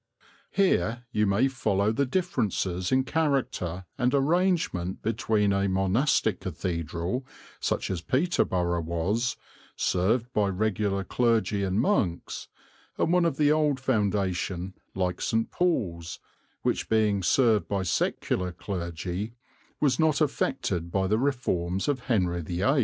Here you may follow the differences in character and arrangement between a monastic cathedral, such as Peterborough was, served by regular clergy and monks, and one of the old foundation, like St. Paul's, which, being served by secular clergy, was not affected by the reforms of Henry VIII.